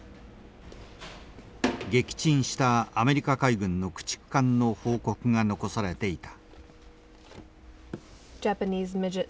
撃沈したアメリカ海軍の駆逐艦の報告が残されていた。